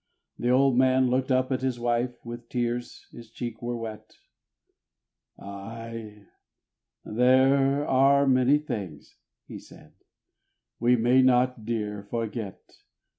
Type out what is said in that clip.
The old man looked up at his wife, with tears his cheeks were wet, "Ay, there are many things," he said, "we may not, dear, forget.